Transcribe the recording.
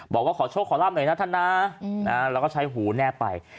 บอกว่าขอโชคขอลาบหน่อยนะท่านนะแล้วก็ใช้หูแนบไป